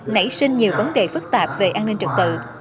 nảy sinh nhiều vấn đề phức tạp về an ninh trật tự